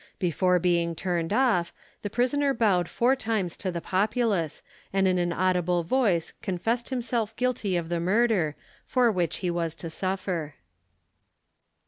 Before being turned off, the prisoner bowed four times to the populace, and in an audible voice, confessed himself guilty of the murder, for which he was to suffer.